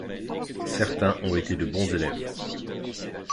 Certains ont été de bons élèves.